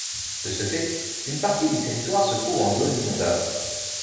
De ce fait, une partie du territoire se trouve en zone inondable.